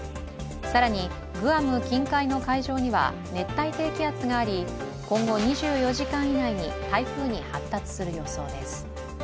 更にグアム近海の海上には熱帯低気圧があり、今後２４時間以内に台風に発達する予想です。